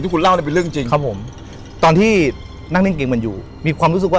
คุณเล่าเนี่ยเป็นเรื่องจริงครับผมตอนที่นั่งเล่นเกมมันอยู่มีความรู้สึกว่า